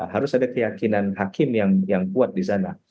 harus ada keyakinan hakim yang kuat di sana